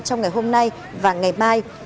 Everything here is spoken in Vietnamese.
trong ngày hôm nay và ngày mai